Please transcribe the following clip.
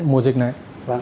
mùa dịch này